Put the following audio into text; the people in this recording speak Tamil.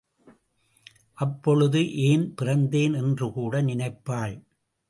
அப்பொழுது, ஏன் பிறந்தேன் என்று கூட நினைப்பாள்.